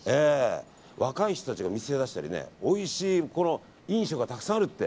若い人たちがお店を出したりおいしい飲食がたくさんあるって。